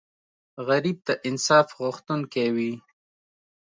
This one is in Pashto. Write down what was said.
غریب د انصاف غوښتونکی وي